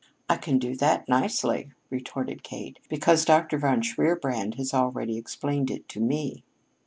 "I can do that nicely," retorted Kate, "because Dr. von Shierbrand has already explained it to me."